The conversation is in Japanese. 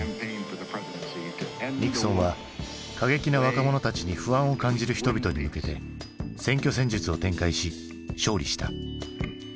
ニクソンは過激な若者たちに不安を感じる人々に向けて選挙戦術を展開し勝利した。